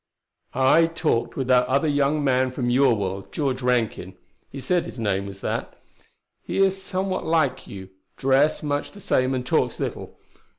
"I talked with that other young man from your world. George Rankin, he said his name was. He is somewhat like you: dressed much the same and talks little.